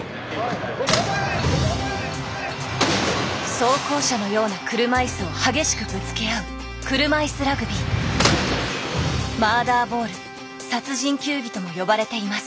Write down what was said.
装甲車のような車いすを激しくぶつけ合う「ＭｕｒｄｅｒＢａｌｌ」「殺人球技」とも呼ばれています。